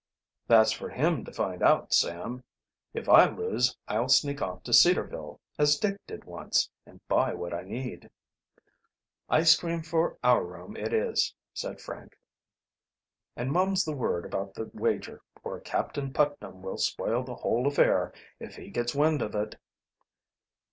"That's for him to find out, Sam. If I lose I'll sneak off to Cedarville, as Dick did once, and buy what I need." "Ice cream for our room it is," said. Frank. "And mum's the word about the wager, or Captain Putnam will spoil the whole affair if he gets wind of it."